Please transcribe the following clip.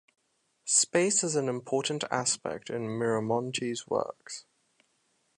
Space is an important aspect in Miramontes’ works.